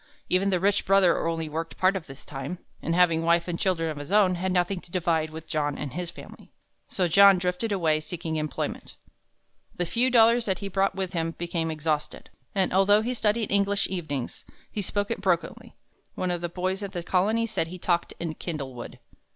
Even the rich brother only worked part of the time, and having wife and children of his own, had nothing to divide with John and his family. So John drifted away seeking employment. The few dollars that he brought with him became exhausted, and although he studied English evenings, he spoke it brokenly. One of the boys at the Colony said he talked in "kindlewood."